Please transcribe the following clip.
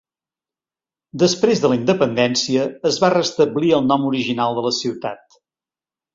Després de la independència es va restablir el nom original de la ciutat.